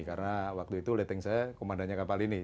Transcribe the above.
karena waktu itu leteng saya komandanya kapal ini